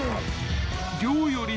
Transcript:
［量より質］